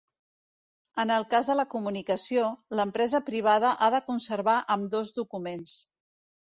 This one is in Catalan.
En el cas de la comunicació, l'empresa privada ha de conservar ambdós documents.